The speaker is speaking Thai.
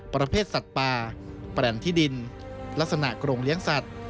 ประเภทสัตว์ป่าแปลนที่ดินลักษณะกรงเลี้ยงสัตว์